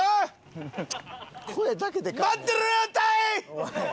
おい！